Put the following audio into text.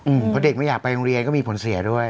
เพราะเด็กไม่อยากไปโรงเรียนก็มีผลเสียด้วย